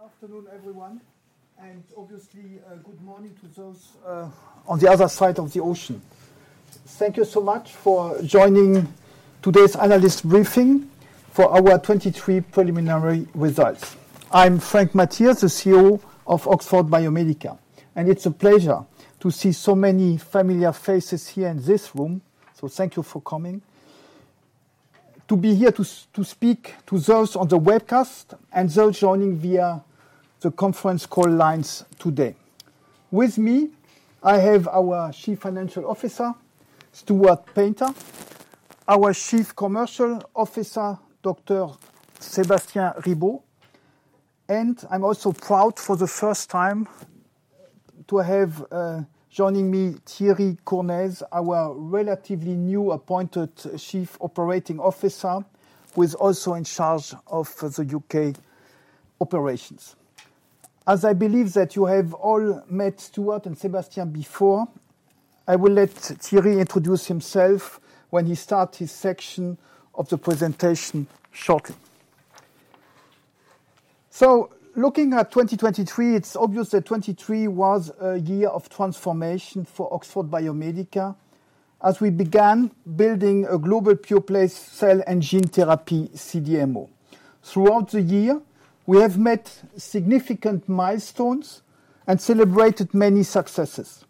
Good afternoon, everyone, and obviously good morning to those on the other side of the ocean. Thank you so much for joining today's analyst briefing for our 2023 preliminary results. I'm Frank Mathias, the CEO of Oxford Biomedica, and it's a pleasure to see so many familiar faces here in this room, so thank you for coming. To be here to speak to those on the webcast and those joining via the conference call lines today. With me, I have our Chief Financial Officer, Stuart Paynter, our Chief Commercial Officer, Dr. Sébastien Ribault, and I'm also proud for the first time to have joining me Thierry Cournez, our relatively new appointed Chief Operating Officer, who is also in charge of the U.K. operations. As I believe that you have all met Stuart and Sébastien before, I will let Thierry introduce himself when he starts his section of the presentation shortly. So looking at 2023, it's obvious that 2023 was a year of transformation for Oxford Biomedica as we began building a global pure-play cell and gene therapy, CDMO. Throughout the year, we have met significant milestones and celebrated many successes,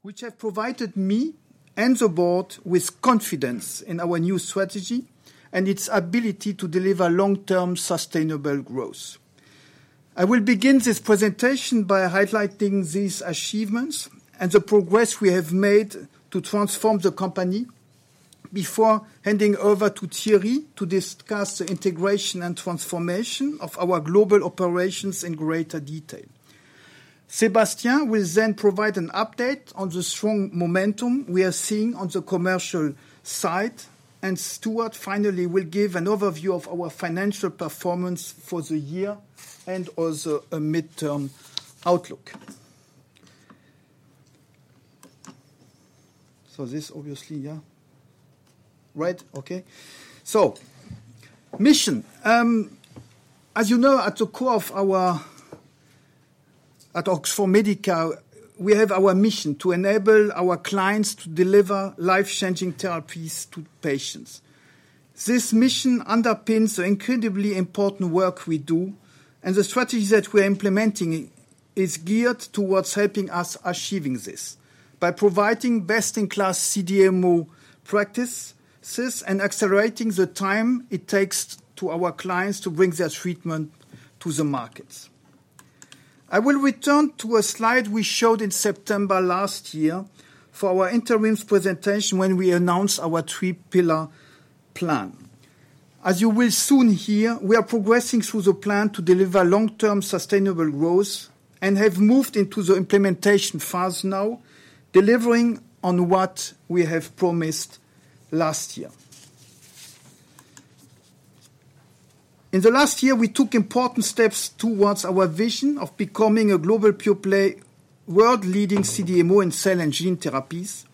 which have provided me and the board with confidence in our new strategy and its ability to deliver long-term sustainable growth. I will begin this presentation by highlighting these achievements and the progress we have made to transform the company before handing over to Thierry to discuss the integration and transformation of our global operations in greater detail. Sébastien will then provide an update on the strong momentum we are seeing on the commercial side, and Stuart finally will give an overview of our financial performance for the year and also a mid-term outlook. So this, obviously, yeah. Right? Okay. So mission. As you know, at the core of Oxford Biomedica, we have our mission to enable our clients to deliver life-changing therapies to patients. This mission underpins the incredibly important work we do, and the strategy that we are implementing is geared towards helping us achieve this by providing best-in-class CDMO practices and accelerating the time it takes to our clients to bring their treatment to the markets. I will return to a slide we showed in September last year for our interims presentation when we announced our three-pillar plan. As you will soon hear, we are progressing through the plan to deliver long-term sustainable growth and have moved into the implementation phase now, delivering on what we have promised last year. In the last year, we took important steps towards our vision of becoming a global pure-play, world-leading CDMO and cell and gene therapies,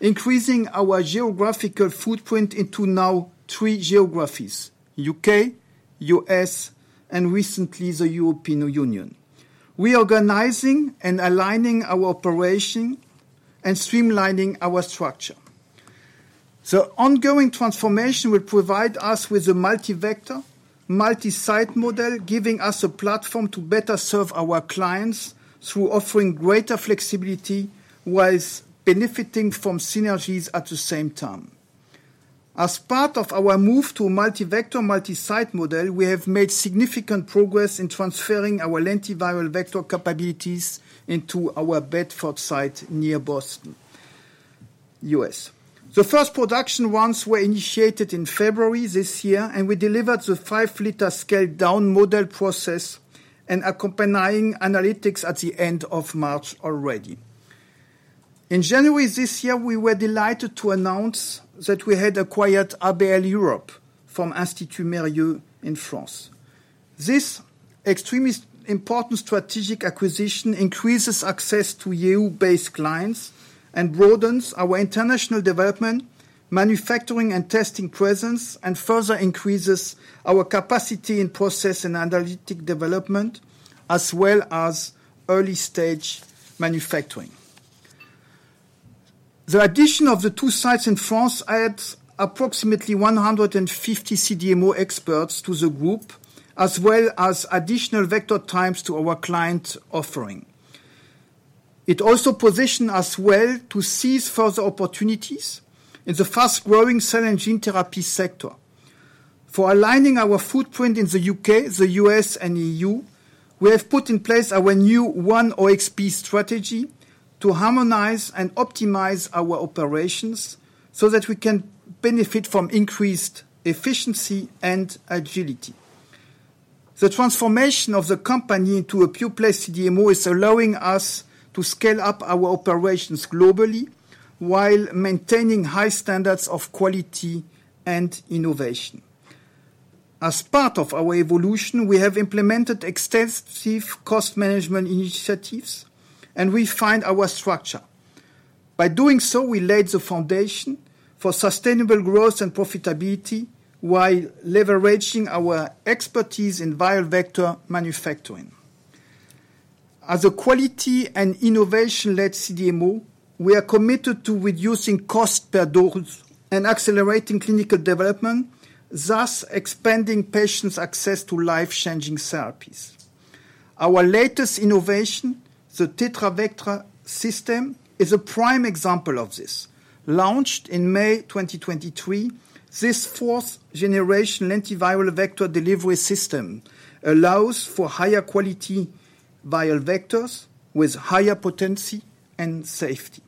increasing our geographical footprint into now three geographies: U.K., U.S., and recently the European Union. We are organizing and aligning our operation and streamlining our structure. The ongoing transformation will provide us with a multi-vector, multi-site model, giving us a platform to better serve our clients through offering greater flexibility whilst benefiting from synergies at the same time. As part of our move to a multi-vector, multi-site model, we have made significant progress in transferring our viral vector capabilities into our Bedford site near Boston, U.S. The first production runs were initiated in February this year, and we delivered the 5-liter scaled-down model process and accompanying analytics at the end of March already. In January this year, we were delighted to announce that we had acquired ABL Europe from Institut Mérieux in France. This extremely important strategic acquisition increases access to EU-based clients and broadens our international development, manufacturing, and testing presence, and further increases our capacity in process and analytic development as well as early-stage manufacturing. The addition of the two sites in France adds approximately 150 CDMO experts to the group as well as additional vector times to our client offering. It also positions us well to seize further opportunities in the fast-growing cell and gene therapy sector. For aligning our footprint in the U.K., the U.S., and EU, we have put in place our new One OXB strategy to harmonize and optimize our operations so that we can benefit from increased efficiency and agility. The transformation of the company into a pure-play CDMO is allowing us to scale up our operations globally while maintaining high standards of quality and innovation. As part of our evolution, we have implemented extensive cost management initiatives, and we refined our structure. By doing so, we laid the foundation for sustainable growth and profitability while leveraging our expertise in viral vector manufacturing. As a quality and innovation-led CDMO, we are committed to reducing cost per dose and accelerating clinical development, thus expanding patients' access to life-changing therapies. Our latest innovation, the TetraVecta system, is a prime example of this. Launched in May 2023, this fourth-generation lentiviral vector delivery system allows for higher-quality viral vectors with higher potency and safety.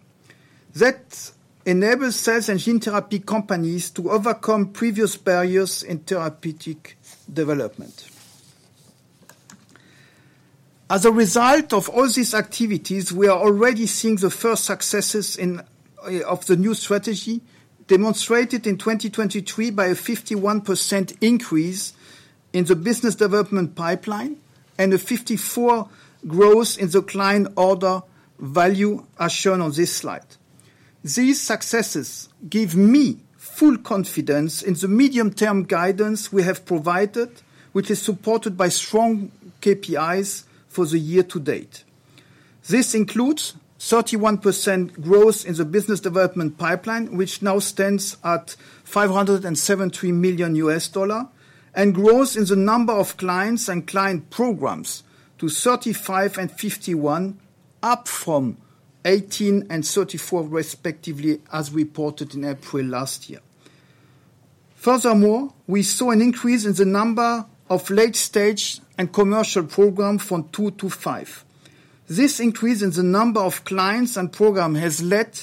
That enables cell and gene therapy companies to overcome previous barriers in therapeutic development. As a result of all these activities, we are already seeing the first successes of the new strategy demonstrated in 2023 by a 51% increase in the business development pipeline and a 54% growth in the client order value as shown on this slide. These successes give me full confidence in the medium-term guidance we have provided, which is supported by strong KPIs for the year to date. This includes 31% growth in the business development pipeline, which now stands at $573 million, and growth in the number of clients and client programs to 35 and 51, up from 18 and 34 respectively, as reported in April last year. Furthermore, we saw an increase in the number of late-stage and commercial programs from two to five. This increase in the number of clients and programs has led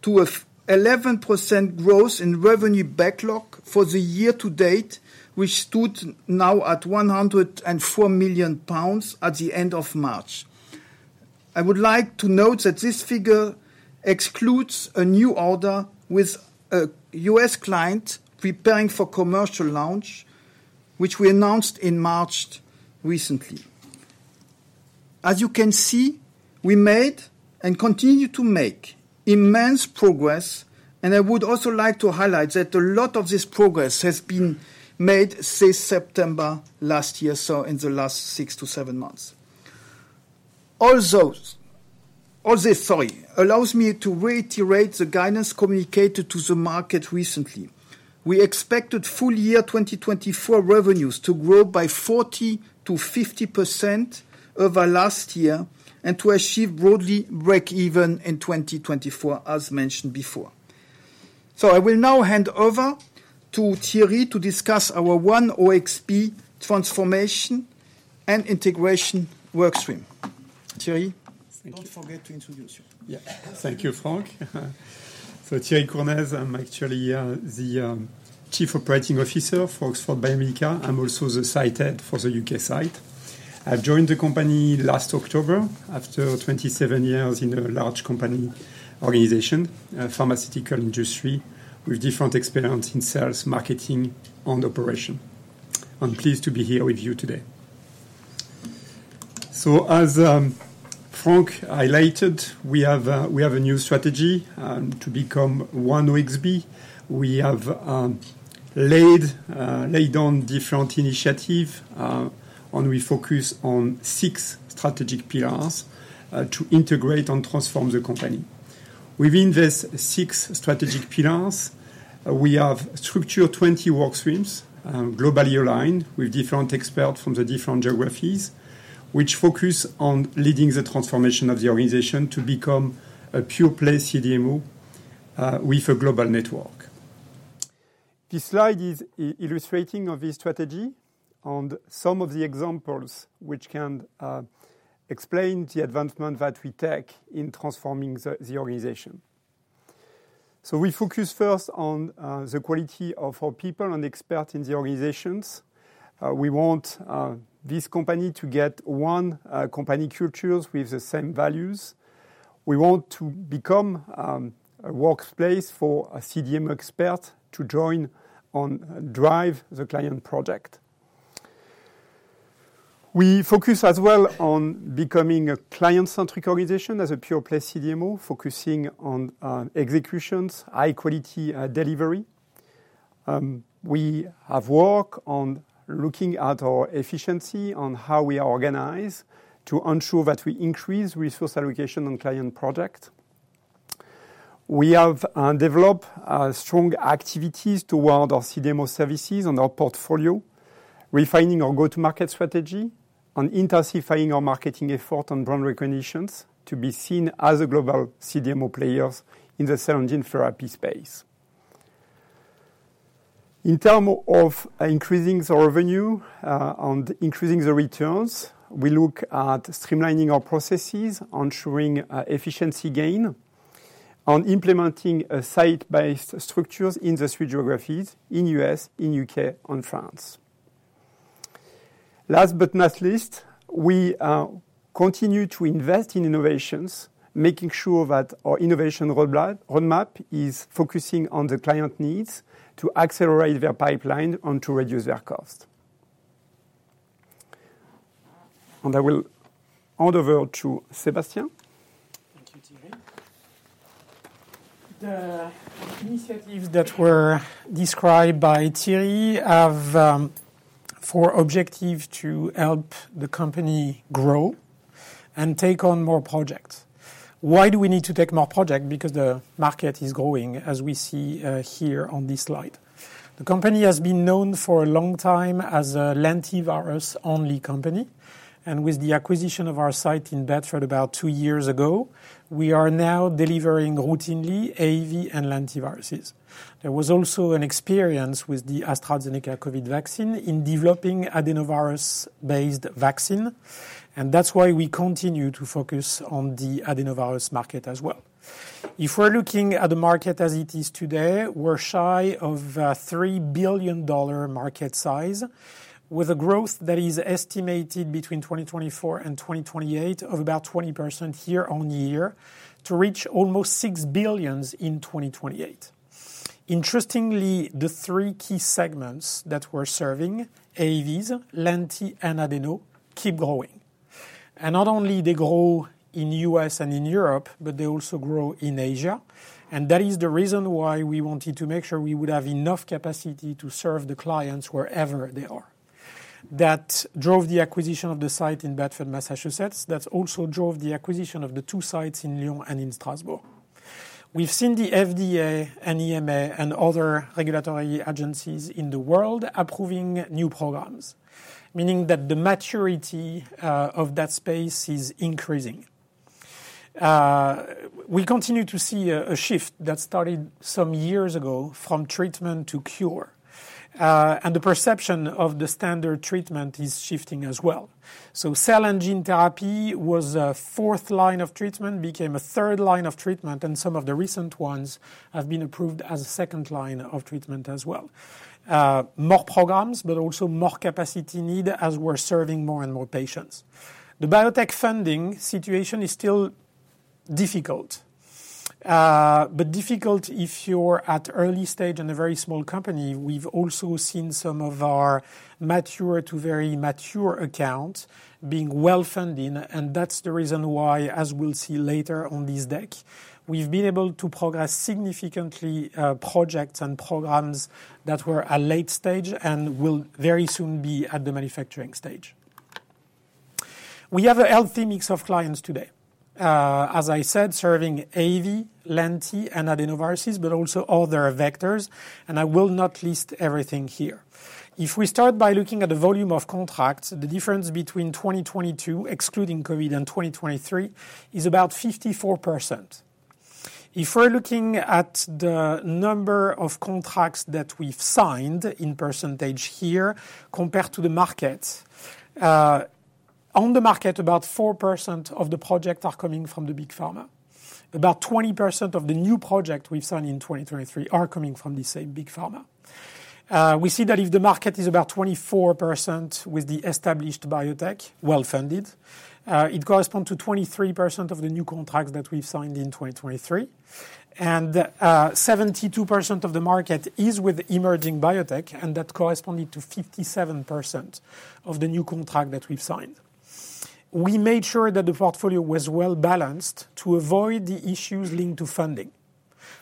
to an 11% growth in revenue backlog for the year to date, which stood now at 104 million pounds at the end of March. I would like to note that this figure excludes a new order with a U.S. client preparing for commercial launch, which we announced in March recently. As you can see, we made and continue to make immense progress, and I would also like to highlight that a lot of this progress has been made since September last year, so in the last six to seven months. All this, sorry, allows me to reiterate the guidance communicated to the market recently. We expected full-year 2024 revenues to grow by 40%-50% over last year and to achieve broadly break-even in 2024, as mentioned before. I will now hand over to Thierry to discuss our One OXB transformation and integration workstream. Thierry? Thank you. Don't forget to introduce yourself. Yeah. Thank you, Frank. So Thierry Cournez, I'm actually the Chief Operating Officer for Oxford Biomedica. I'm also the site head for the U.K. site. I've joined the company last October after 27 years in a large company organization, pharmaceutical industry, with different experience in sales, marketing, and operation. I'm pleased to be here with you today. So as Frank highlighted, we have a new strategy to become OXB. We have laid down different initiatives, and we focus on six strategic pillars to integrate and transform the company. Within these six strategic pillars, we have structured 20 workstreams globally aligned with different experts from the different geographies, which focus on leading the transformation of the organization to become a pure-play CDMO with a global network. This slide is illustrating this strategy and some of the examples which can explain the advancement that we take in transforming the organization. So we focus first on the quality of our people and experts in the organization. We want this company to get one company culture with the same values. We want to become a workplace for a CDMO expert to join and drive the client project. We focus as well on becoming a client-centric organization as a pure-play CDMO, focusing on execution, high-quality delivery. We have worked on looking at our efficiency on how we are organized to ensure that we increase resource allocation on client projects. We have developed strong activities toward our CDMO services and our portfolio, refining our go-to-market strategy and intensifying our marketing effort on brand recognition to be seen as global CDMO players in the cell and gene therapy space. In terms of increasing the revenue and increasing the returns, we look at streamlining our processes, ensuring efficiency gain, and implementing site-based structures in the three geographies: in the U.S., in the U.K., and France. Last but not least, we continue to invest in innovations, making sure that our innovation roadmap is focusing on the client needs to accelerate their pipeline and to reduce their cost. I will hand over to Sébastien. Thank you, Thierry. The initiatives that were described by Thierry have for objective to help the company grow and take on more projects. Why do we need to take more projects? Because the market is growing, as we see here on this slide. The company has been known for a long time as a lentivirus-only company, and with the acquisition of our site in Bedford about two years ago, we are now delivering routinely AAV and adenoviruses. There was also an experience with the AstraZeneca COVID vaccine in developing adenovirus-based vaccines, and that's why we continue to focus on the adenovirus market as well. If we're looking at the market as it is today, we're shy of a $3 billion market size with a growth that is estimated between 2024 and 2028 of about 20% year on year to reach almost $6 billion in 2028. Interestingly, the three key segments that we're serving: AAVs, lenti, and adeno, keep growing. And not only do they grow in the U.S. and in Europe, but they also grow in Asia, and that is the reason why we wanted to make sure we would have enough capacity to serve the clients wherever they are. That drove the acquisition of the site in Bedford, Massachusetts. That also drove the acquisition of the two sites in Lyon and in Strasbourg. We've seen the FDA and EMA and other regulatory agencies in the world approving new programs, meaning that the maturity of that space is increasing. We continue to see a shift that started some years ago from treatment to cure, and the perception of the standard treatment is shifting as well. So cell and gene therapy was a fourth line of treatment, became a third line of treatment, and some of the recent ones have been approved as a second line of treatment as well. More programs, but also more capacity need as we're serving more and more patients. The biotech funding situation is still difficult, but difficult if you're at early stage in a very small company. We've also seen some of our mature to very mature accounts being well-funded, and that's the reason why, as we'll see later on this deck, we've been able to progress significantly projects and programs that were at late stage and will very soon be at the manufacturing stage. We have a healthy mix of clients today, as I said, serving AAV, lenti, and adenoviruses, but also other vectors, and I will not list everything here. If we start by looking at the volume of contracts, the difference between 2022, excluding COVID, and 2023 is about 54%. If we're looking at the number of contracts that we've signed in percentage here compared to the market, on the market, about 4% of the projects are coming from the big pharma. About 20% of the new projects we've signed in 2023 are coming from the same big pharma. We see that if the market is about 24% with the established biotech, well-funded, it corresponds to 23% of the new contracts that we've signed in 2023, and 72% of the market is with emerging biotech, and that corresponded to 57% of the new contract that we've signed. We made sure that the portfolio was well-balanced to avoid the issues linked to funding.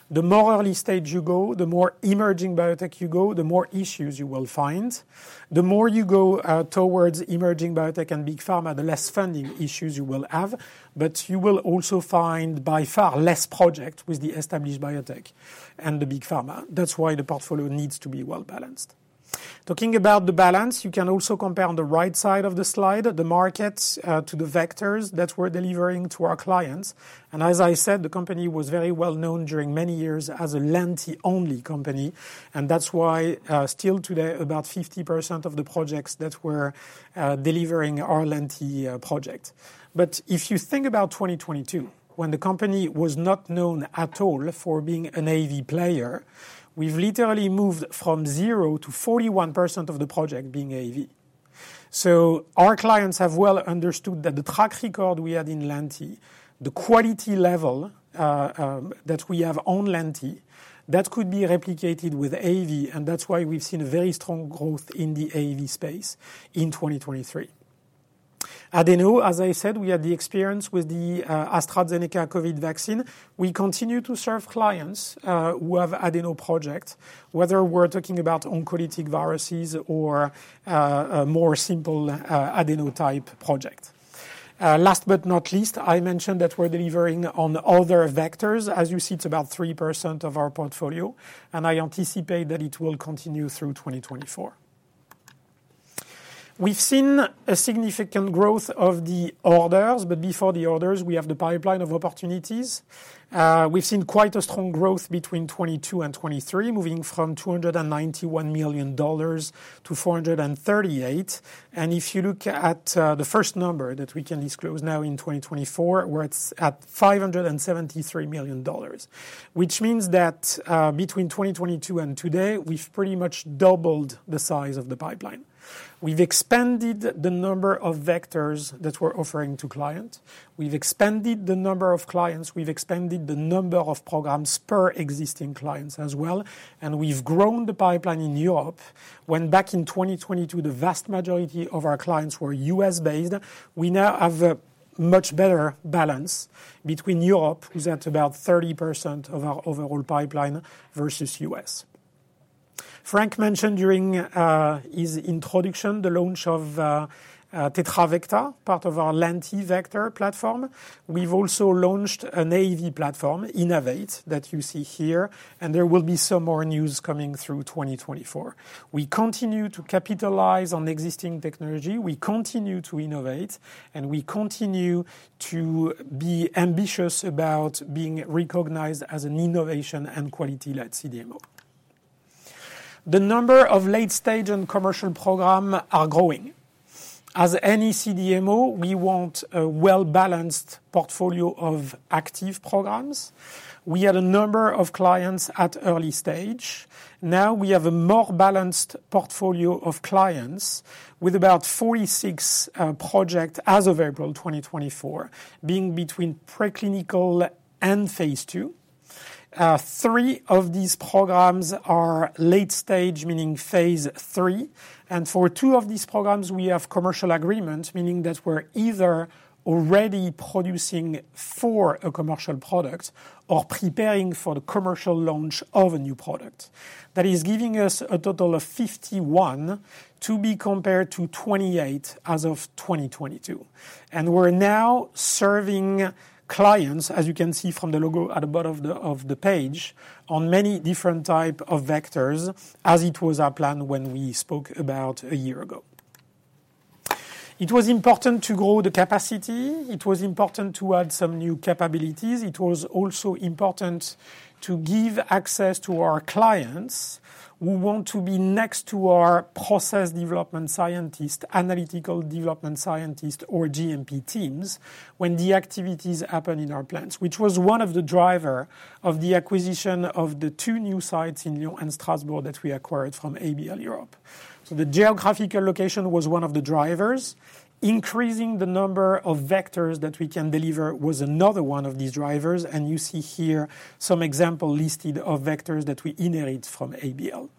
The more early stage you go, the more emerging biotech you go, the more issues you will find. The more you go towards emerging biotech and big pharma, the less funding issues you will have, but you will also find by far less projects with the established biotech and the big pharma. That's why the portfolio needs to be well-balanced. Talking about the balance, you can also compare on the right side of the slide the markets to the vectors that we're delivering to our clients. And as I said, the company was very well-known during many years as a lenti-only company, and that's why still today, about 50% of the projects that we're delivering are lenti projects. But if you think about 2022, when the company was not known at all for being an AAV player, we've literally moved from zero to 41% of the projects being AAV. So our clients have well understood that the track record we had in lenti, the quality level that we have on lenti, that could be replicated with AAV, and that's why we've seen a very strong growth in the AAV space in 2023. Adeno, as I said, we had the experience with the AstraZeneca COVID vaccine. We continue to serve clients who have adeno projects, whether we're talking about oncolytic viruses or more simple adeno-type projects. Last but not least, I mentioned that we're delivering on other vectors. As you see, it's about 3% of our portfolio, and I anticipate that it will continue through 2024. We've seen a significant growth of the orders, but before the orders, we have the pipeline of opportunities. We've seen quite a strong growth between 2022 and 2023, moving from $291 million to $438 million. If you look at the first number that we can disclose now in 2024, we're at $573 million, which means that between 2022 and today, we've pretty much doubled the size of the pipeline. We've expanded the number of vectors that we're offering to clients. We've expanded the number of clients. We've expanded the number of programs per existing clients as well, and we've grown the pipeline in Europe. When back in 2022, the vast majority of our clients were U.S.-based, we now have a much better balance between Europe, who's at about 30% of our overall pipeline, versus the U.S. Frank mentioned during his introduction the launch of TetraVecta, part of our LentiVector platform. We've also launched an AAV platform, Innovate, that you see here, and there will be some more news coming through 2024. We continue to capitalize on existing technology. We continue to innovate, and we continue to be ambitious about being recognized as an innovation and quality-led CDMO. The number of late-stage and commercial programs is growing. As any CDMO, we want a well-balanced portfolio of active programs. We had a number of clients at early stage. Now we have a more balanced portfolio of clients with about 46 projects as of April 2024, being between preclinical and phase two. three of these programs are late-stage, meaning phase three, and for two of these programs, we have commercial agreements, meaning that we're either already producing for a commercial product or preparing for the commercial launch of a new product. That is giving us a total of 51 to be compared to 28 as of 2022. We're now serving clients, as you can see from the logo at the bottom of the page, on many different types of vectors as it was our plan when we spoke about a year ago. It was important to grow the capacity. It was important to add some new capabilities. It was also important to give access to our clients who want to be next to our process development scientists, analytical development scientists, or GMP teams when the activities happen in our plants, which was one of the drivers of the acquisition of the two new sites in Lyon and Strasbourg that we acquired from ABL Europe. The geographical location was one of the drivers. Increasing the number of vectors that we can deliver was another one of these drivers, and you see here some examples listed of vectors that we inherited from ABL.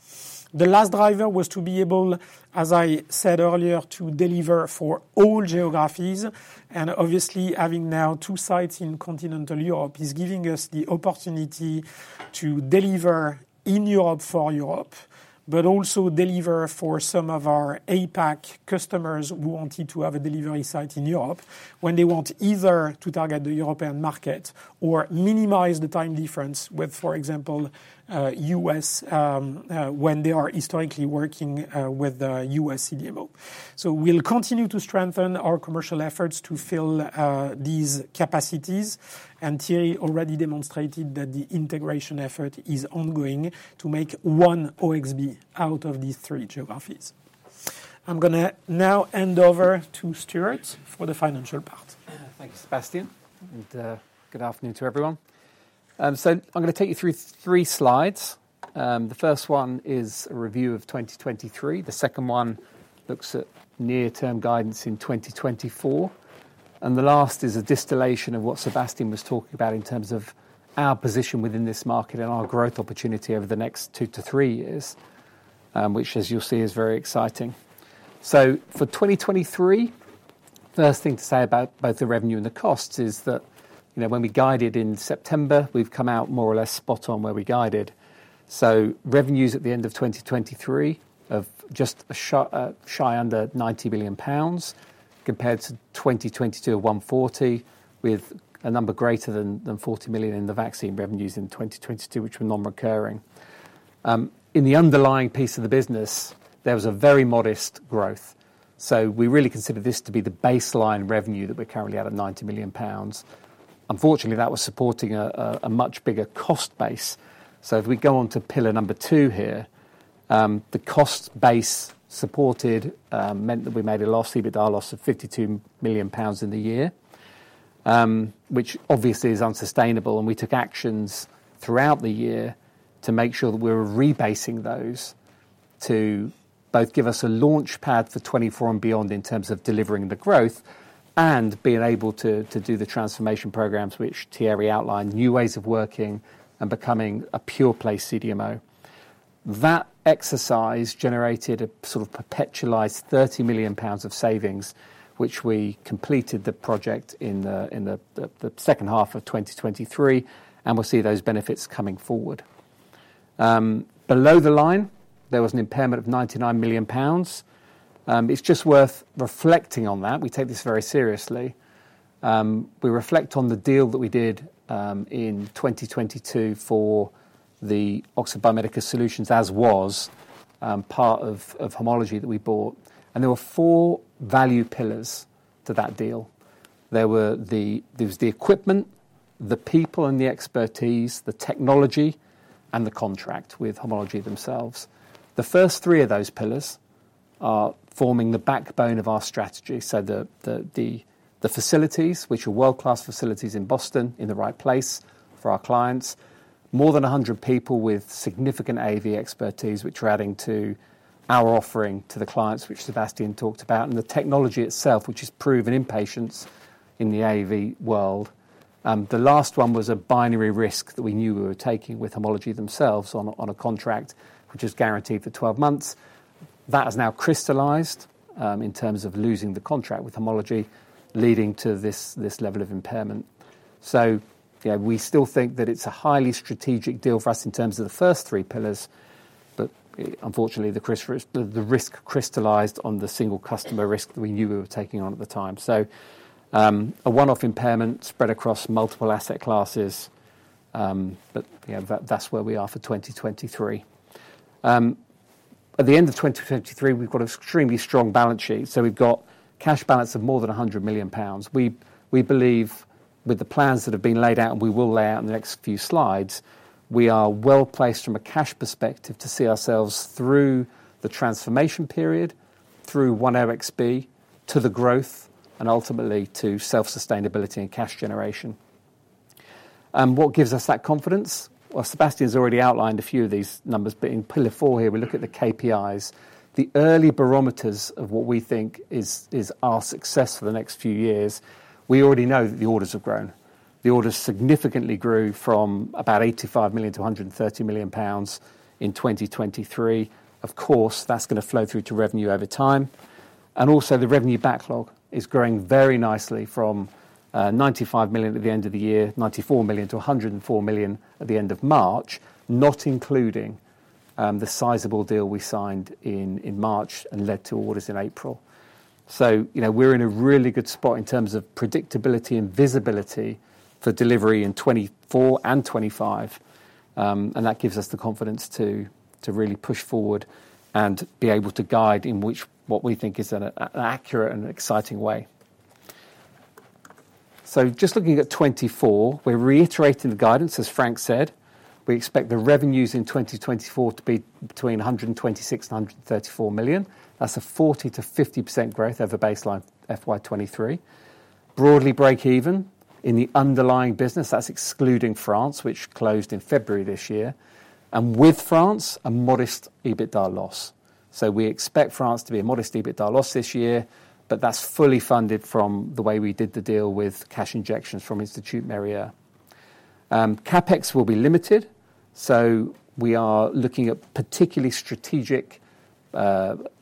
The last driver was to be able, as I said earlier, to deliver for all geographies, and obviously, having now two sites in continental Europe is giving us the opportunity to deliver in Europe for Europe, but also deliver for some of our APAC customers who wanted to have a delivery site in Europe when they want either to target the European market or minimize the time difference with, for example, the U.S. when they are historically working with the U.S. CDMO. So we'll continue to strengthen our commercial efforts to fill these capacities, and Thierry already demonstrated that the integration effort is ongoing to make one OXB out of these three geographies. I'm going to now hand over to Stuart for the financial part. Thanks, Sébastien, and good afternoon to everyone. I'm going to take you through three slides. The first one is a review of 2023. The second one looks at near-term guidance in 2024. And the last is a distillation of what Sébastien was talking about in terms of our position within this market and our growth opportunity over the next two to three years, which, as you'll see, is very exciting. For 2023, the first thing to say about both the revenue and the costs is that when we guided in September, we've come out more or less spot-on where we guided. Revenues at the end of 2023 are just shy under 90 million pounds compared to 2022 at 140 million, with a number greater than 40 million in the vaccine revenues in 2022, which were non-recurring. In the underlying piece of the business, there was a very modest growth. So we really consider this to be the baseline revenue that we're currently at at 90 million pounds. Unfortunately, that was supporting a much bigger cost base. So if we go on to pillar number two here, the cost base supported meant that we made a loss, EBITDA loss of 52 million pounds in the year, which obviously is unsustainable, and we took actions throughout the year to make sure that we were rebasing those to both give us a launchpad for 2024 and beyond in terms of delivering the growth and being able to do the transformation programs which Thierry outlined, new ways of working and becoming a pure-play CDMO. That exercise generated a sort of perpetualized 30 million pounds of savings, which we completed the project in the second half of 2023, and we'll see those benefits coming forward. Below the line, there was an impairment of 99 million pounds. It's just worth reflecting on that. We take this very seriously. We reflect on the deal that we did in 2022 for the Oxford Biomedica Solutions, which was part of Homology that we bought. There were four value pillars to that deal. There was the equipment, the people and the expertise, the technology, and the contract with Homology themselves. The first three of those pillars are forming the backbone of our strategy. So the facilities, which are world-class facilities in Boston, in the right place for our clients, more than 100 people with significant AAV expertise, which we're adding to our offering to the clients, which Sébastien talked about, and the technology itself, which has proven important in the AAV world. The last one was a binary risk that we knew we were taking with Homology themselves on a contract, which has guaranteed the 12 months. That has now crystallized in terms of losing the contract with Homology, leading to this level of impairment. So we still think that it's a highly strategic deal for us in terms of the first three pillars, but unfortunately, the risk crystallized on the single customer risk that we knew we were taking on at the time. So a one-off impairment spread across multiple asset classes, but that's where we are for 2023. At the end of 2023, we've got an extremely strong balance sheet. So we've got cash balance of more than 100 million pounds. We believe, with the plans that have been laid out, and we will lay out in the next few slides, we are well-placed from a cash perspective to see ourselves through the transformation period, through one OXB, to the growth, and ultimately to self-sustainability and cash generation. And what gives us that confidence? Well, Sébastien has already outlined a few of these numbers, but in pillar four here, we look at the KPIs, the early barometres of what we think is our success for the next few years. We already know that the orders have grown. The orders significantly grew from about 85 million-130 million pounds in 2023. Of course, that's going to flow through to revenue over time. And also, the revenue backlog is growing very nicely from 95 million at the end of the year, 94 million-104 million at the end of March, not including the sizable deal we signed in March and led to orders in April. So we're in a really good spot in terms of predictability and visibility for delivery in 2024 and 2025, and that gives us the confidence to really push forward and be able to guide in what we think is an accurate and exciting way. So just looking at 2024, we're reiterating the guidance, as Frank said. We expect the revenues in 2024 to be between 126 million and 134 million. That's a 40%-50% growth over baseline FY 2023. Broadly break-even in the underlying business, that's excluding France, which closed in February this year, and with France, a modest EBITDA loss. So we expect France to be a modest EBITDA loss this year, but that's fully funded from the way we did the deal with cash injections from Institut Mérieux. CapEx will be limited, so we are looking at particularly strategic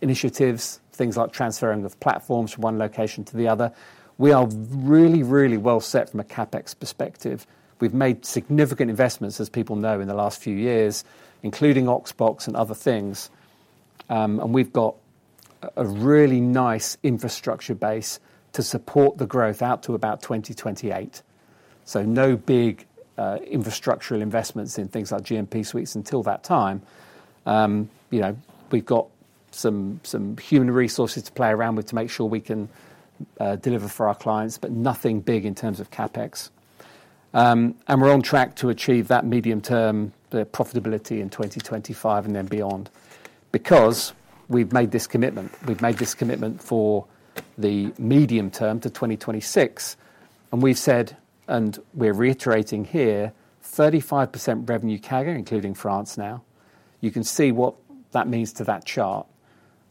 initiatives, things like transferring of platforms from one location to the other. We are really, really well-set from a CapEx perspective. We've made significant investments, as people know, in the last few years, including Oxbox and other things, and we've got a really nice infrastructure base to support the growth out to about 2028. No big infrastructural investments in things like GMP suites until that time. We've got some human resources to play around with to make sure we can deliver for our clients, but nothing big in terms of CapEx. We're on track to achieve that medium-term profitability in 2025 and then beyond because we've made this commitment. We've made this commitment for the medium term to 2026, and we've said, and we're reiterating here, 35% revenue CAGR, including France now. You can see what that means to that chart,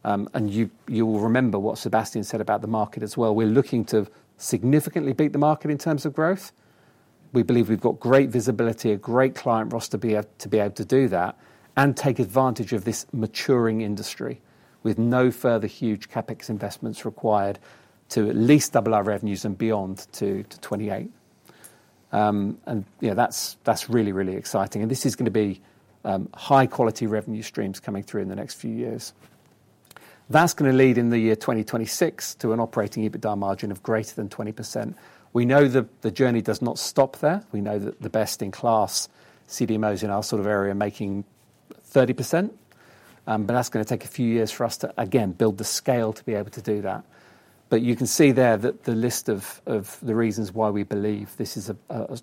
and you will remember what Sébastien said about the market as well. We're looking to significantly beat the market in terms of growth. We believe we've got great visibility, a great client roster to be able to do that, and take advantage of this maturing industry with no further huge CapEx investments required to at least double our revenues and beyond to 2028. And that's really, really exciting, and this is going to be high-quality revenue streams coming through in the next few years. That's going to lead in the year 2026 to an operating EBITDA margin of greater than 20%. We know the journey does not stop there. We know that the best-in-class CDMOs in our sort of area are making 30%, but that's going to take a few years for us to, again, build the scale to be able to do that. But you can see there that the list of the reasons why we believe this is a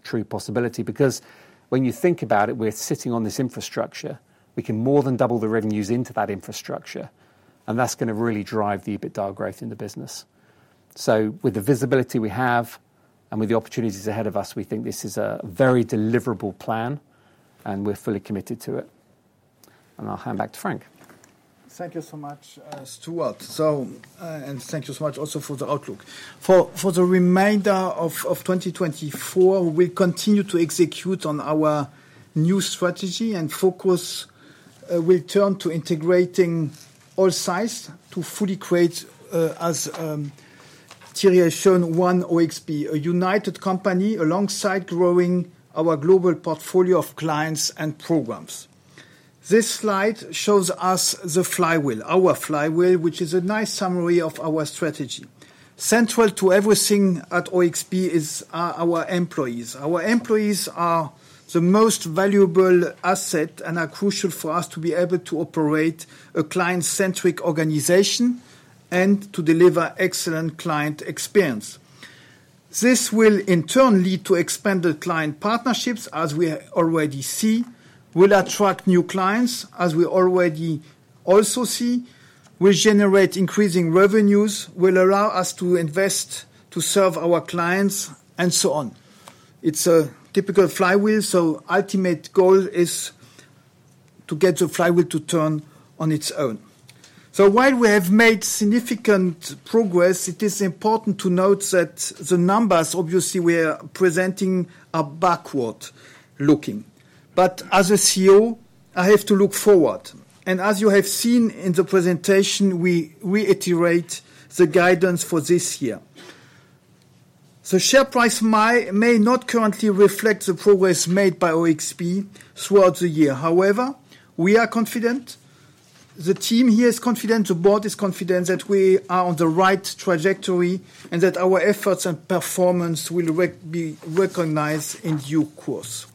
true possibility because when you think about it, we're sitting on this infrastructure. We can more than double the revenues into that infrastructure, and that's going to really drive the EBITDA growth in the business. So with the visibility we have and with the opportunities ahead of us, we think this is a very deliverable plan, and we're fully committed to it. I'll hand back to Frank. Thank you so much, Stuart. Thank you so much also for the outlook. For the remainder of 2024, we'll continue to execute on our new strategy and focus. We'll turn to integrating all sides to fully create, as Thierry has shown, one OXB, a united company alongside growing our global portfolio of clients and programs. This slide shows us the flywheel, our flywheel, which is a nice summary of our strategy. Central to everything at OXB are our employees. Our employees are the most valuable asset and are crucial for us to be able to operate a client-centric organization and to deliver excellent client experience. This will, in turn, lead to expanded client partnerships, as we already see, will attract new clients, as we already also see, will generate increasing revenues, will allow us to invest to serve our clients, and so on. It's a typical flywheel, so the ultimate goal is to get the flywheel to turn on its own. So while we have made significant progress, it is important to note that the numbers, obviously, we are presenting are backward-looking. But as a CEO, I have to look forward. And as you have seen in the presentation, we reiterate the guidance for this year. The share price may not currently reflect the progress made by OXB throughout the year. However, we are confident. The team here is confident. The board is confident that we are on the right trajectory and that our efforts and performance will be recognized in due course.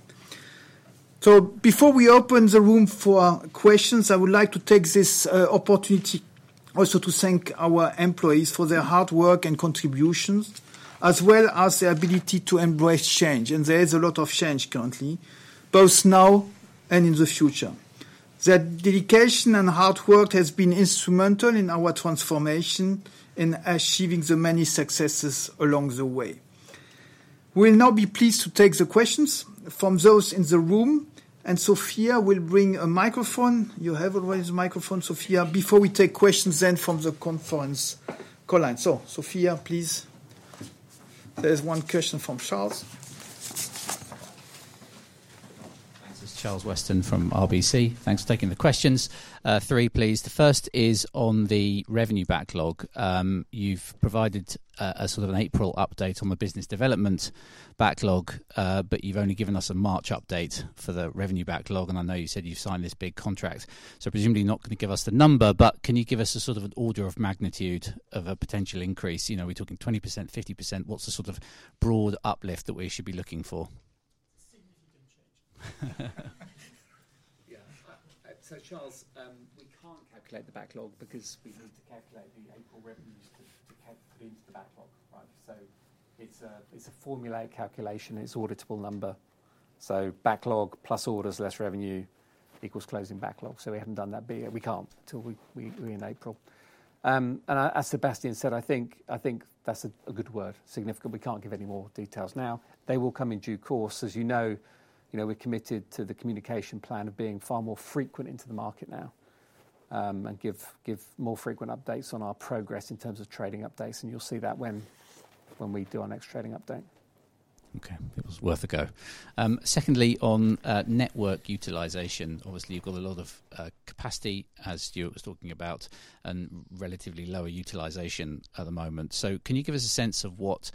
So before we open the room for questions, I would like to take this opportunity also to thank our employees for their hard work and contributions, as well as their ability to embrace change. There is a lot of change currently, both now and in the future. Their dedication and hard work have been instrumental in our transformation and achieving the many successes along the way. We will now be pleased to take the questions from those in the room. Sophia will bring a microphone. You have already the microphone, Sophia, before we take questions then from the conference call line. Sophia, please. There is one question from Charles. Thanks. This is Charles Weston from RBC. Thanks for taking the questions. 3, please. The first is on the revenue backlog. You've provided a sort of an April update on the business development backlog, but you've only given us a March update for the revenue backlog. And I know you said you've signed this big contract, so presumably not going to give us the number, but can you give us a sort of an order of magnitude of a potential increase? Are we talking 20%, 50%? What's the sort of broad uplift that we should be looking for? It's a significant change. Yeah. So Charles, we can't calculate the backlog because we need to calculate the April revenues to put into the backlog, right? So it's a formulaic calculation. It's an auditable number. So backlog plus orders less revenue equals closing backlog. So we haven't done that. We can't until we're in April. And as Sébastien said, I think that's a good word, significant. We can't give any more details now. They will come in due course. As you know, we're committed to the communication plan of being far more frequent into the market now and give more frequent updates on our progress in terms of trading updates. You'll see that when we do our next trading update. Okay. It was worth a go. Secondly, on network utilization, obviously, you've got a lot of capacity, as Stuart was talking about, and relatively lower utilization at the moment. So can you give us a sense of what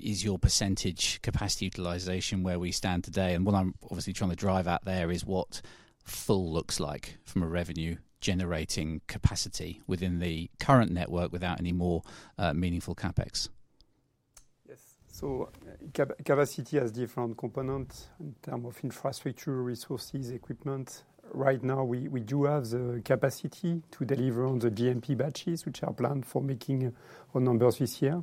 is your percentage capacity utilization where we stand today? And what I'm obviously trying to drive at there is what full looks like from a revenue-generating capacity within the current network without any more meaningful CapEx. Yes. So capacity has different components in terms of infrastructure, resources, equipment. Right now, we do have the capacity to deliver on the GMP batches, which are planned for making our numbers this year.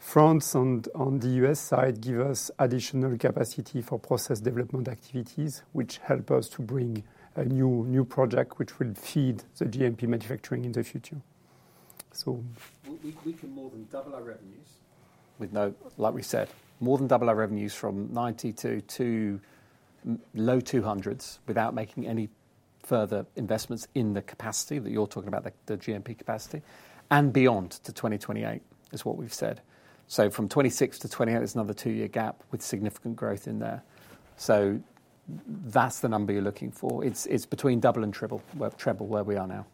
France and the U.S. side give us additional capacity for process development activities, which help us to bring a new project which will feed the GMP manufacturing in the future. So. We can more than double our revenues. Like we said, more than double our revenues from 92 to low GBP 200s without making any further investments in the capacity that you're talking about, the GMP capacity, and beyond to 2028 is what we've said. So from 2026 to 2028 is another two-year gap with significant growth in there. So that's the number you're looking for. It's between double and triple where we are now.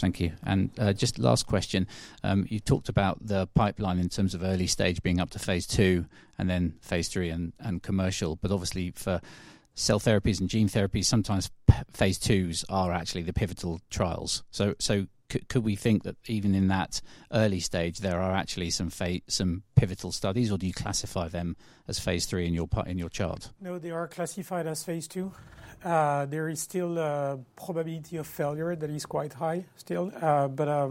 Thank you. And just last question. You talked about the pipeline in terms of early stage being up to phase II and then phase III and commercial. But obviously, for cell therapies and gene therapies, sometimes phase IIs are actually the pivotal trials. So could we think that even in that early stage, there are actually some pivotal studies, or do you classify them as phase III in your chart? No, they are classified as phase II. There is still a probability of failure that is quite high still. But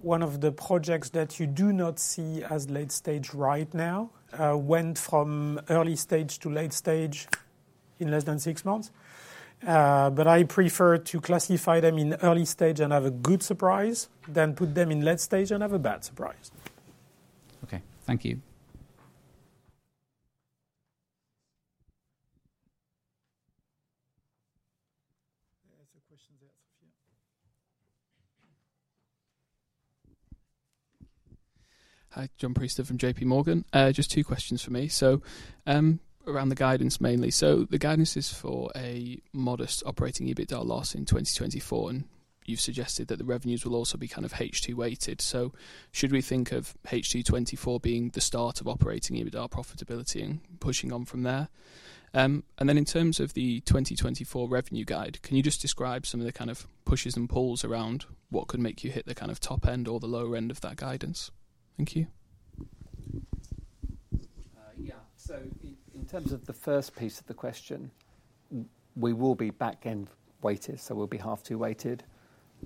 one of the projects that you do not see as late stage right now went from early stage to late stage in less than six months. But I prefer to classify them in early stage and have a good surprise than put them in late stage and have a bad surprise. Okay. Thank you. Are there questions there, Sophia? Hi. John Priestner from JP Morgan. Just two questions for me, so around the guidance mainly. So the guidance is for a modest operating EBITDA loss in 2024, and you've suggested that the revenues will also be kind of H2-weighted. So should we think of H224 being the start of operating EBITDA profitability and pushing on from there? And then in terms of the 2024 revenue guide, can you just describe some of the kind of pushes and pulls around what could make you hit the kind of top end or the lower end of that guidance? Thank you. Yeah. So in terms of the first piece of the question, we will be back-end weighted, so we'll be H2-weighted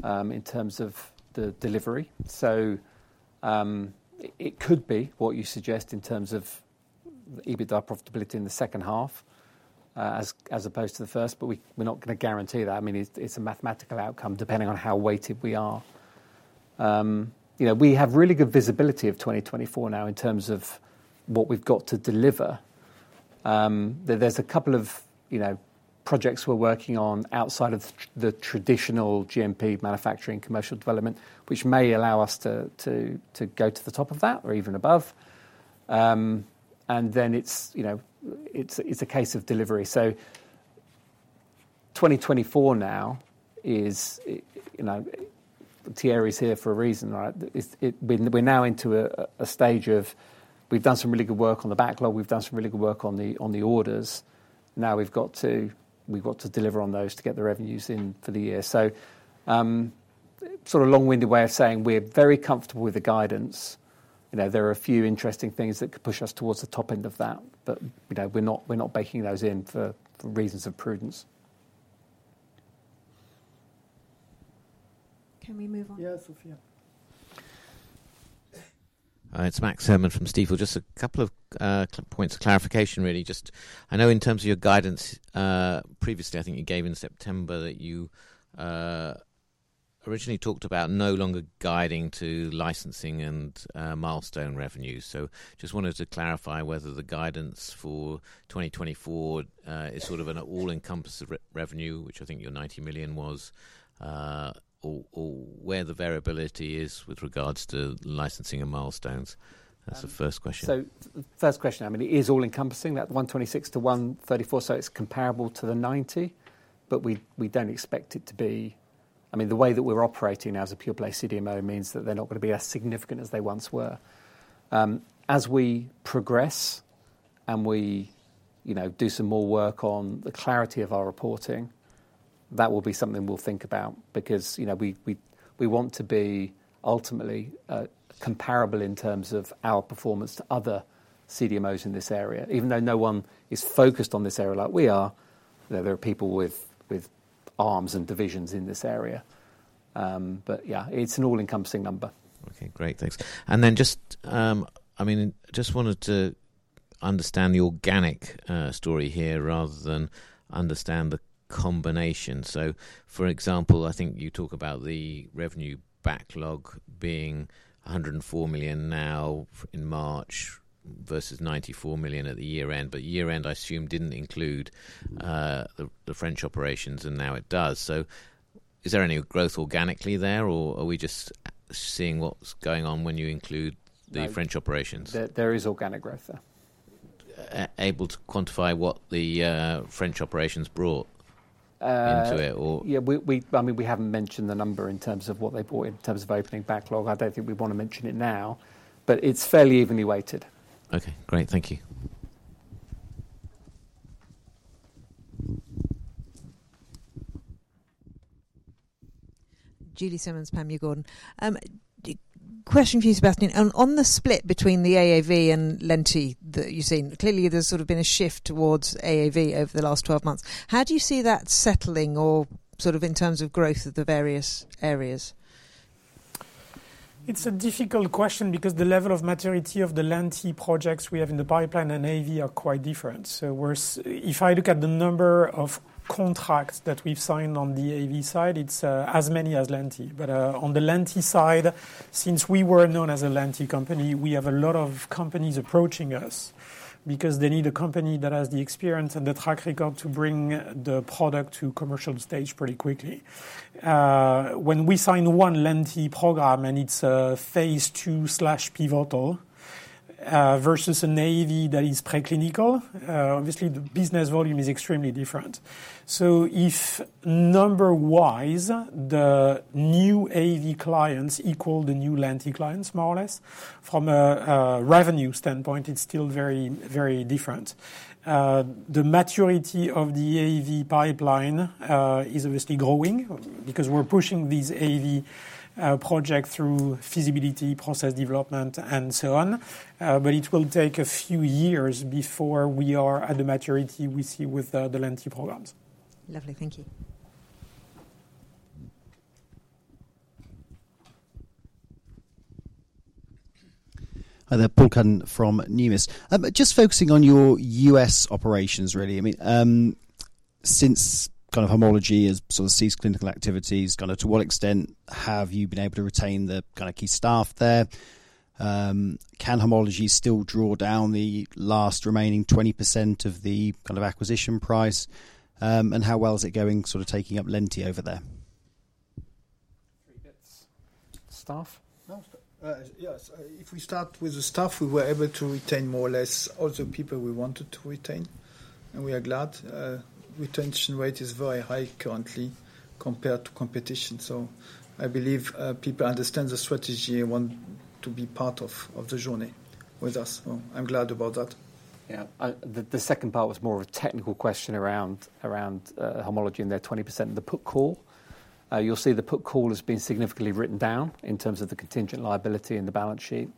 in terms of the delivery. So it could be what you suggest in terms of EBITDA profitability in the second half as opposed to the first, but we're not going to guarantee that. I mean, it's a mathematical outcome depending on how weighted we are. We have really good visibility of 2024 now in terms of what we've got to deliver. There's a couple of projects we're working on outside of the traditional GMP manufacturing commercial development, which may allow us to go to the top of that or even above. And then it's a case of delivery. So 2024 now is Thierry's here for a reason, right? We're now into a stage of we've done some really good work on the backlog. We've done some really good work on the orders. Now we've got to deliver on those to get the revenues in for the year. So sort of long-winded way of saying, we're very comfortable with the guidance. There are a few interesting things that could push us towards the top end of that, but we're not baking those in for reasons of prudence. Can we move on? Yeah, Sophia. All right. It's Max Herrmann from Stifel. Just a couple of points of clarification, really. I know in terms of your guidance previously, I think you gave in September that you originally talked about no longer guiding to licensing and milestone revenues. So just wanted to clarify whether the guidance for 2024 is sort of an all-encompassing revenue, which I think your 90 million was, or where the variability is with regards to licensing and milestones. That's the first question. First question, I mean, it is all-encompassing, that 126-134, so it's comparable to the 90, but we don't expect it to be I mean, the way that we're operating now as a pure-play CDMO means that they're not going to be as significant as they once were. As we progress and we do some more work on the clarity of our reporting, that will be something we'll think about because we want to be ultimately comparable in terms of our performance to other CDMOs in this area. Even though no one is focused on this area like we are, there are people with arms and divisions in this area. But yeah, it's an all-encompassing number. Okay. Great. Thanks. And then just I mean, I just wanted to understand the organic story here rather than understand the combination. So for example, I think you talk about the revenue backlog being 104 million now in March versus 94 million at the year-end, but year-end, I assume, didn't include the French operations, and now it does. So is there any growth organically there, or are we just seeing what's going on when you include the French operations? There is organic growth there. Able to quantify what the French operations brought into it, or? Yeah. I mean, we haven't mentioned the number in terms of what they brought in terms of opening backlog. I don't think we want to mention it now, but it's fairly evenly weighted. Okay. Great. Thank you. Julie Simmonds, Panmure Gordon. Question for you, Sébastien. On the split between the AAV and Lenti that you've seen, clearly, there's sort of been a shift towards AAV over the last 12 months. How do you see that settling or sort of in terms of growth of the various areas? It's a difficult question because the level of maturity of the lenti projects we have in the pipeline and AAV are quite different. So if I look at the number of contracts that we've signed on the AAV side, it's as many as Lenti. But on the Lenti side, since we were known as a Lenti company, we have a lot of companies approaching us because they need a company that has the experience and the track record to bring the product to commercial stage pretty quickly. When we sign one Lenti program and it's a phase two/pivotal versus an AAV that is pre-clinical, obviously, the business volume is extremely different. So if number-wise, the new AAV clients equal the new Lenti clients, more or less, from a revenue standpoint, it's still very different. The maturity of the AAV pipeline is obviously growing because we're pushing these AAV projects through feasibility, process development, and so on. But it will take a few years before we are at the maturity we see with the Lenti programs. Lovely. Thank you. Hi there. Paul Cuddon from Numis. Just focusing on your U.S. operations, really. I mean, since kind of Homology has sort of ceased clinical activities, kind of to what extent have you been able to retain the kind of key staff there? Can Homology still draw down the last remaining 20% of the kind of acquisition price? And how well is it going sort of taking up Lenti over there? three bits. Staff? Yeah. If we start with the staff, we were able to retain more or less all the people we wanted to retain, and we are glad. Retention rate is very high currently compared to competition. So I believe people understand the strategy and want to be part of the journey with us. So I'm glad about that. Yeah. The second part was more of a technical question around Homology and their 20% in the put call. You'll see the put call has been significantly written down in terms of the contingent liability in the balance sheet.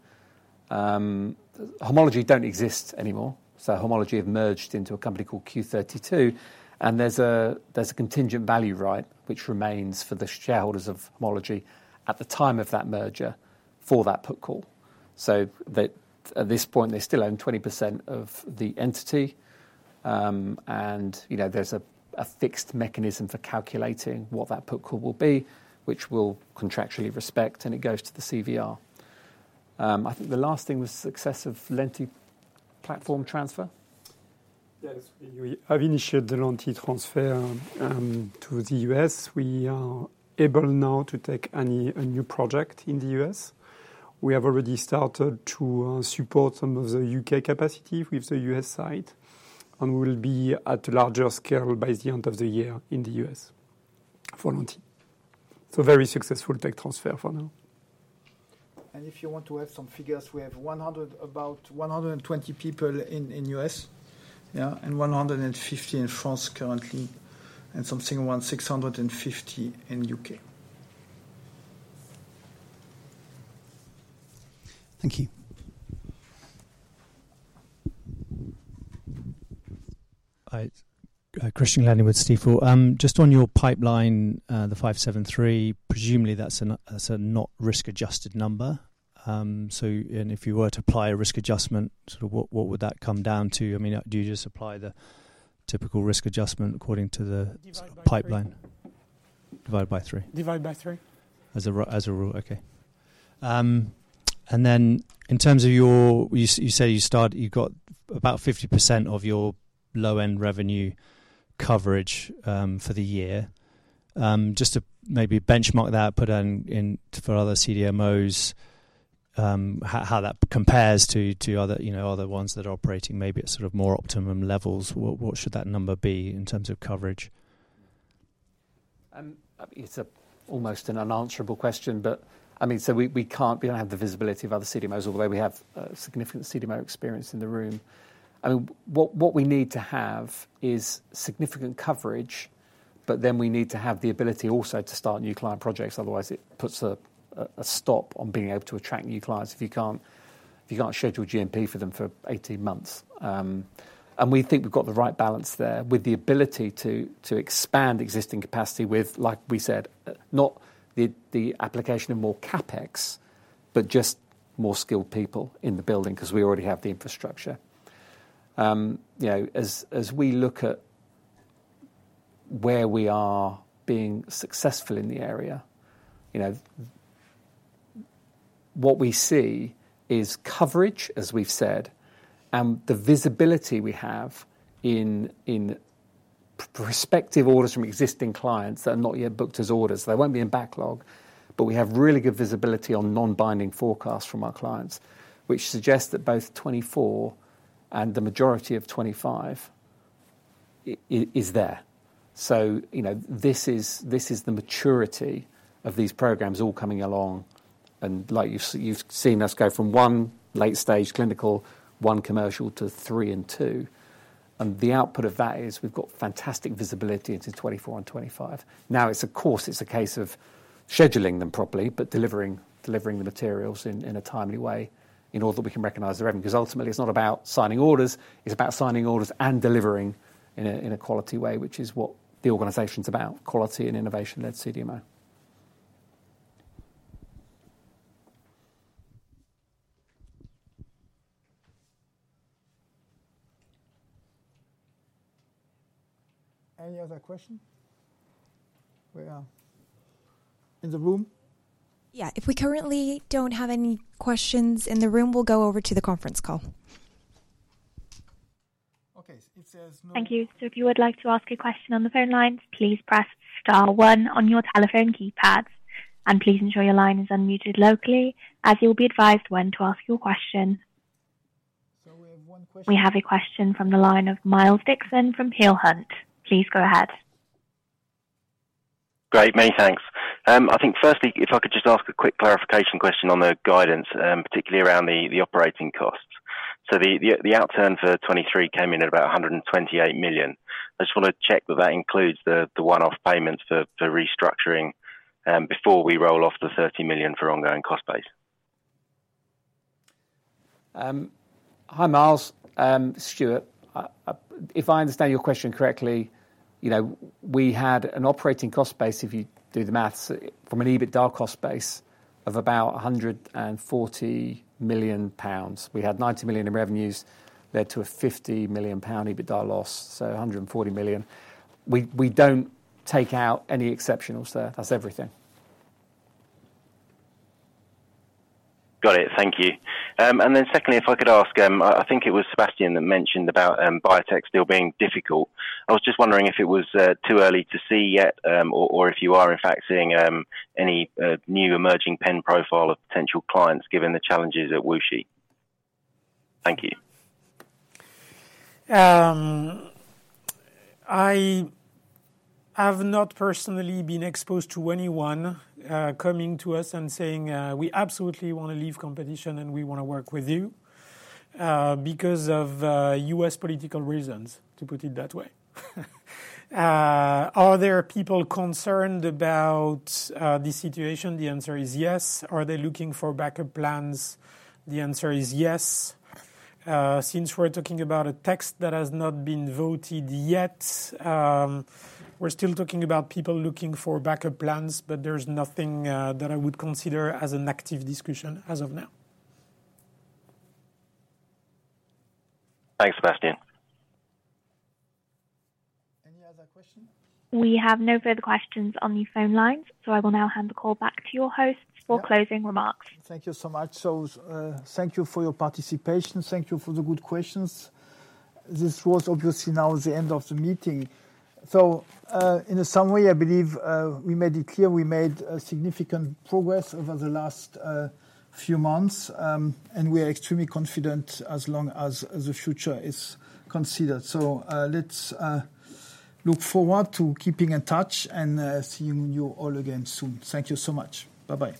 Homology don't exist anymore. So Homology have merged into a company called Q32, and there's a contingent value right which remains for the shareholders of Homology at the time of that merger for that put call. So at this point, they still own 20% of the entity, and there's a fixed mechanism for calculating what that put call will be, which we'll contractually respect, and it goes to the CVR. I think the last thing was success of Lenti platform transfer. Yes. We have initiated the lenti transfer to the U.S. We are able now to take a new project in the U.S. We have already started to support some of the U.K. capacity with the U.S. side, and we'll be at a larger scale by the end of the year in the U.S. for Lenti. So very successful tech transfer for now. If you want to have some figures, we have about 120 people in the U.S. and 150 in France currently, and something around 650 in the U.K. Thank you. All right. Christian Glennie with Stifel. Just on your pipeline, the 573, presumably, that's a not risk-adjusted number. So if you were to apply a risk adjustment, sort of what would that come down to? I mean, do you just apply the typical risk adjustment according to the pipeline? Divide by three. Divide by three? Divide by three. As a rule. Okay. And then in terms of, you said you got about 50% of your low-end revenue coverage for the year. Just to maybe benchmark that, put in for other CDMOs, how that compares to other ones that are operating maybe at sort of more optimum levels, what should that number be in terms of coverage? It's almost an unanswerable question, but I mean, so we don't have the visibility of other CDMOs although we have significant CDMO experience in the room. I mean, what we need to have is significant coverage, but then we need to have the ability also to start new client projects. Otherwise, it puts a stop on being able to attract new clients if you can't schedule GMP for them for 18 months. And we think we've got the right balance there with the ability to expand existing capacity with, like we said, not the application of more CapEx, but just more skilled people in the building because we already have the infrastructure. As we look at where we are being successful in the area, what we see is coverage, as we've said, and the visibility we have in prospective orders from existing clients that are not yet booked as orders. They won't be in backlog, but we have really good visibility on non-binding forecasts from our clients, which suggests that both 2024 and the majority of 2025 is there. So this is the maturity of these programs all coming along. And like you've seen us go from one late-stage clinical, one commercial to three and two. And the output of that is we've got fantastic visibility into 2024 and 2025. Now, of course, it's a case of scheduling them properly but delivering the materials in a timely way in order that we can recognize the revenue because ultimately, it's not about signing orders. It's about signing orders and delivering in a quality way, which is what the organization's about, quality and innovation-led CDMO. Any other question? We're in the room? Yeah. If we currently don't have any questions in the room, we'll go over to the conference call. Okay. It says no. Thank you. So if you would like to ask a question on the phone lines, please press star one on your telephone keypads. And please ensure your line is unmuted locally as you'll be advised when to ask your question. We have one question. We have a question from the line of Miles Dixon from Peel Hunt. Please go ahead. Great. Many thanks. I think firstly, if I could just ask a quick clarification question on the guidance, particularly around the operating costs. The outturn for 2023 came in at about 128 million. I just want to check that that includes the one-off payments for restructuring before we roll off the 30 million for ongoing cost base. Hi, Miles. Stuart. If I understand your question correctly, we had an operating cost base, if you do the math, from an EBITDA cost base of about 140 million pounds. We had 90 million in revenues led to a 50 million pound EBITDA loss, so 140 million. We don't take out any exceptionals there. That's everything. Got it. Thank you. And then secondly, if I could ask, I think it was Sébastien that mentioned about biotech still being difficult. I was just wondering if it was too early to see yet or if you are, in fact, seeing any new emerging pain profile of potential clients given the challenges at WuXi. Thank you. I have not personally been exposed to anyone coming to us and saying, "We absolutely want to leave competition, and we want to work with you," because of U.S. political reasons, to put it that way. Are there people concerned about the situation? The answer is yes. Are they looking for backup plans? The answer is yes. Since we're talking about a text that has not been voted yet, we're still talking about people looking for backup plans, but there's nothing that I would consider as an active discussion as of now. Thanks, Sébastien. Any other question? We have no further questions on the phone lines, so I will now hand the call back to your hosts for closing remarks. Thank you so much. So thank you for your participation. Thank you for the good questions. This was obviously now the end of the meeting. So in a summary, I believe we made it clear we made significant progress over the last few months, and we are extremely confident as long as the future is considered. So let's look forward to keeping in touch and seeing you all again soon. Thank you so much. Bye-bye.